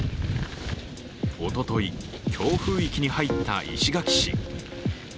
おととい、強風域に入った石垣市。